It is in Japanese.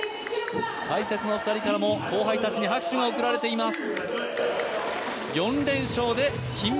解説のお二人からも後輩たちに拍手が送られています。